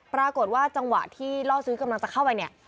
ปรากฏว่าจังหวะที่ล่อซื้อกำลังจะเข้าไปเนี่ย